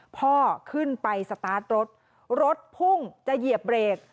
พ่อขึ้นไปสตาร์ทรถรถพุ่งจะเหยียบเบรก